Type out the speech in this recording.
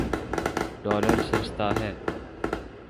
Dollar سستا ہے۔